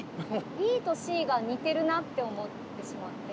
「Ｄ」と「Ｃ」が似てるなって思ってしまって。